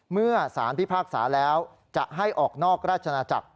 เมื่อสารพิพากษาแล้วจะให้ออกนอกราชนาจักร